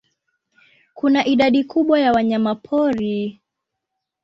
Kuna idadi kubwa ya wanyamapori.